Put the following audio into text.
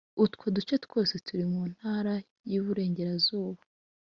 utwo duce twose turi mu ntara y’iburengerazuba.